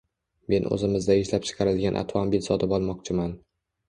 Men o‘zimizda ishlab chiqarilgan avtomobil sotib olmoqchiman.